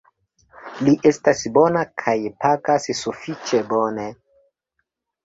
Li estas bona kaj pagas sufiĉe bone.